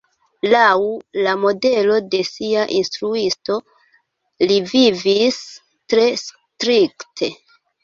Laŭ la modelo de sia instruisto li vivis tre strikte.